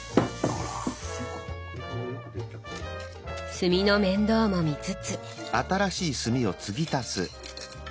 炭の面倒も見つつ。